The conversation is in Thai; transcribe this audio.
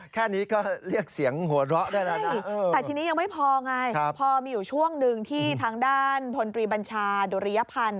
แค่นี้ก็เรียกเสียงหัวเราะได้แล้วนะแต่ทีนี้ยังไม่พอไงพอมีอยู่ช่วงหนึ่งที่ทางด้านพลตรีบัญชาดุริยพันธ์